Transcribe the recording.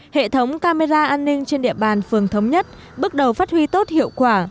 hệ thống camera an ninh trên địa bàn phường thống nhất bước đầu phát huy tốt hiệu quả